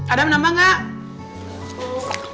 ada menambah gak